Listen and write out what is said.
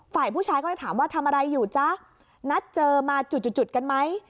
ฝ่ายผู้ชายก็เลยถามว่าทำอะไรอยู่จ๊ะนัดเจอมาจุดจุดกันไหม